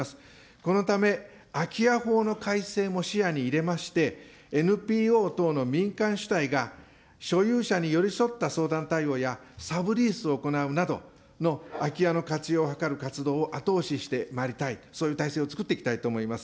このため、空き家法の改正も視野に入れまして、ＮＰＯ等の民間主体が所有者に寄り添った相談対応やサブリースを行うなどの空き家の活用を図る活動を後押ししてまいりたい、そういう体制を作っていきたいと思います。